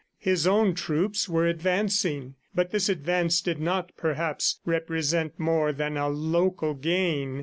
His own troops were advancing, but this advance did not, perhaps, represent more than a local gain.